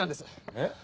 えっ？